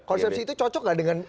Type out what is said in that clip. konsepsi itu cocok gak dengan